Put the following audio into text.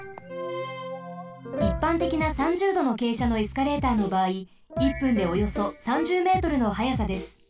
いっぱんてきな３０どのけいしゃのエスカレーターのばあい１分でおよそ３０ｍの速さです。